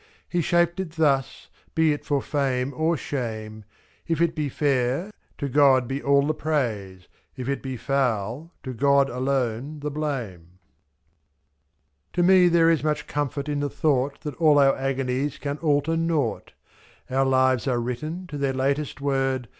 He shaped it thus, be it for fame or shame; ^Z. If it be fair — to God be all the praise, If it be foul — to God alone the blame. To me there is much comfort in the thought That all our agonies can alter nought, ^^.Our lives are written to their latest word.